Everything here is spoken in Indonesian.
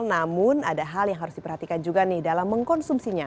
namun ada hal yang harus diperhatikan juga nih dalam mengkonsumsinya